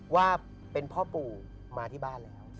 ว่าเป็นพ่อปู่มาที่บ้านแล้ว